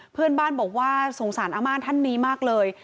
เพื่อนบ้านบอกว่าสงสารอาม่าท่านนี้มากเลย